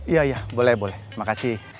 iya boleh boleh makasih